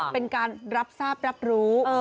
เป็นการรับทราบรับรู้